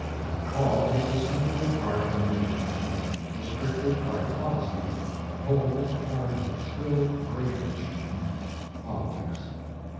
On the Call he was simply a part of a news machine; restricted by a policy, the whole a part of a still greater machine politics.